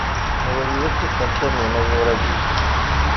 Wali akk isental n unaẓur-agi.